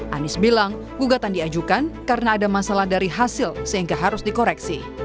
anies bilang gugatan diajukan karena ada masalah dari hasil sehingga harus dikoreksi